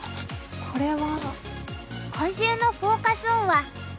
これは。